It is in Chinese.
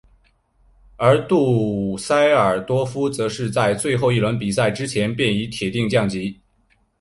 而杜塞尔多夫则是在最后一轮比赛之前便已铁定降级。